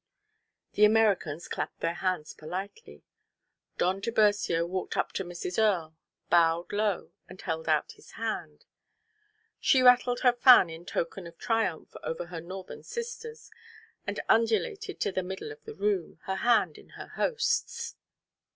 The Americans clapped their hands politely. Don Tiburcio walked up to Mrs. Earle, bowed low, and held out his hand. She rattled her fan in token of triumph over her Northern sisters, and undulated to the middle of the room, her hand in her host's.